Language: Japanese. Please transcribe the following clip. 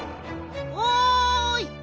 ・おい！